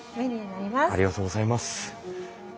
ありがとうございます。